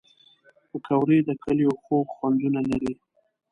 پکورې د کلیو خوږ خوندونه لري